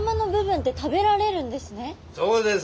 そうです。